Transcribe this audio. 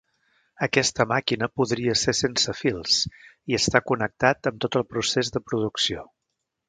Aquesta màquina podria ser sense fils i estar connectat amb tot el procés de producció.